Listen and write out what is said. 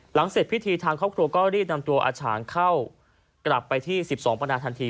หลังเสร็จพิธีทางครอบครัวก็รีบนำตัวอาหร์เข้ากลับไปที่สิบสองประนานทันที